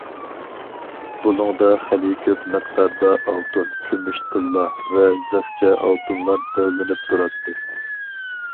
بۇلۇڭدا خېلى كۆپ مىقداردا ئالتۇن- كۈمۈش تىللا ۋە زىخچە ئالتۇنلار دۆۋىلىنىپ تۇراتتى.